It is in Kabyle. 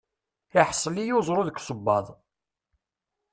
Iḥṣel-iyi uẓru deg usebbaḍ.